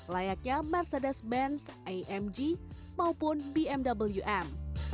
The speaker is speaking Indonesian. layaknya mercedes benz amg maupun bmw m